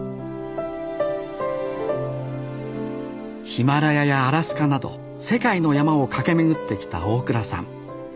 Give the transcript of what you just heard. ヒマラヤやアラスカなど世界の山を駆け巡ってきた大蔵さん。